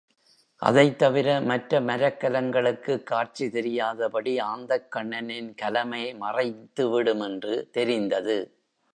அதைத் தவிர மற்ற மரக்கலங்களுக்குக் காட்சி தெரியாதபடி ஆந்தைக்கண்ணனின் கலமே மறைத்துவிடும் என்று தெரிந்தது.